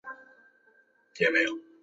电话记录显示通话持续了三分钟。